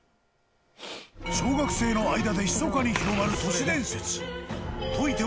更に小学生の間でひそかに広まる都市伝説。